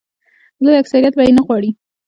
لوی اکثریت به یې نه غواړي.